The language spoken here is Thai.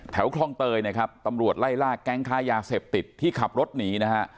คลองเตยนะครับตำรวจไล่ล่าแก๊งค้ายาเสพติดที่ขับรถหนีนะฮะ